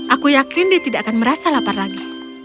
aku yakin dia tidak akan merasa lapar lagi